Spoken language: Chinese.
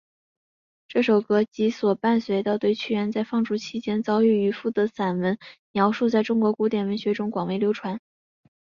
这首歌及所伴随的对屈原在放逐期间遭遇渔父的散文描述在中国古典文学中广为流传。